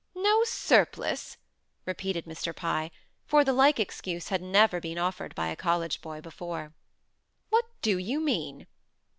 "No surplice!" repeated Mr. Pye for the like excuse had never been offered by a college boy before. "What do you mean?"